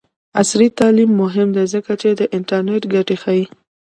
عصري تعلیم مهم دی ځکه چې د انټرنټ ګټې ښيي.